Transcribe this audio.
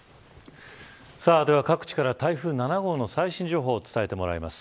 さあ、では各地から台風７号の最新情報を伝えてもらいます。